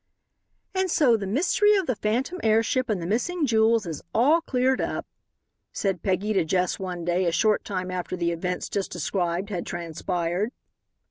"And so the mystery of the phantom airship and the missing jewels is all cleared up," said Peggy to Jess one day a short time after the events just described had transpired.